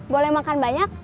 boleh makan banyak